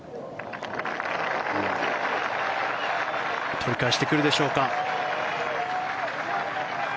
取り返してくるでしょうか。